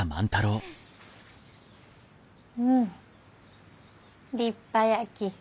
うん立派やき。